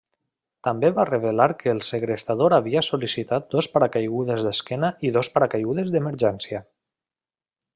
També va revelar que el segrestador havia sol·licitat dos paracaigudes d'esquena i dos paracaigudes d'emergència.